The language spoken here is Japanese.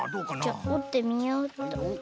じゃおってみようっと。